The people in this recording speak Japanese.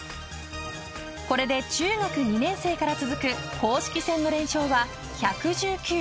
これで中学２年生から続く公式戦の連勝は１１９。